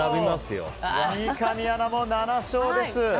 三上アナも７勝です。